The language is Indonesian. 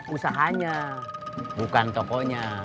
usahanya bukan tokonya